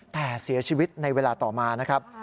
แต่เสียชีวิตในเวลาต่อมานะครับ